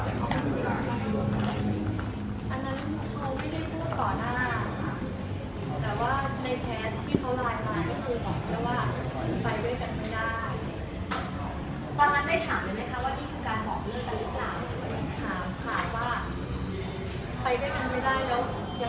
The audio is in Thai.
แต่เขาไม่มีเวลาอันนั้นเขาไม่ได้พูดต่อหน้าแต่ว่าในแชร์ที่เขารายมา